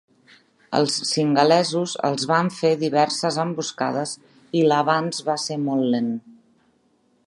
Els singalesos els van fer diverses emboscades i l'avanç va ser molt lent.